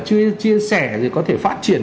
chia sẻ rồi có thể phát triển